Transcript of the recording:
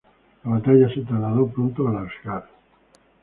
La batalla se trasladó pronto al Asgard.